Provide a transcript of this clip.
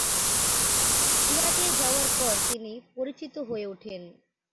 ইরাকে যাওয়ার পর তিনি পরিচিত হয়ে উঠেন।